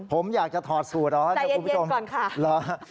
ผมอยากจะถอดสูตรนะคุณผู้ชมหรือคุณผู้ชมใจเย็นก่อนค่ะ